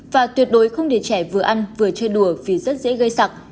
và tuyệt đối không để trẻ vừa ăn vừa chơi đùa vì rất dễ gây sạc